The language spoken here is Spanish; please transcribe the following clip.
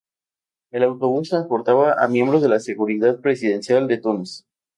El autobús transportaba a miembros de la Seguridad Presidencial de Túnez.